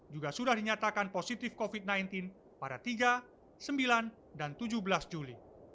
juga sudah dinyatakan positif covid sembilan belas pada tiga sembilan dan tujuh belas juli